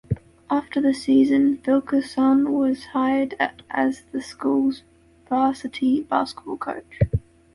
After the season, Wilkerson was hired as the school's varsity baseball coach.